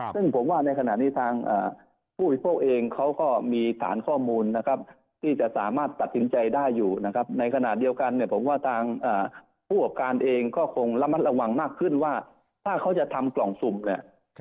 ซึ่งผมว่าในขณะนี้ทางผู้บริโภคเองเขาก็มีฐานข้อมูลนะครับที่จะสามารถตัดสินใจได้อยู่นะครับในขณะเดียวกันเนี่ยผมว่าทางผู้กับการเองก็คงระมัดระวังมากขึ้นว่าถ้าเขาจะทำกล่องสุ่มเนี่ย